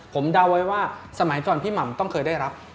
ผมเดาไว้ว่าสมัยก่อนพี่หม่ำต้องเคยได้รับ